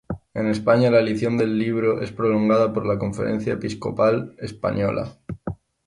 En España la edición del libro es prolongada por la Conferencia Episcopal Española.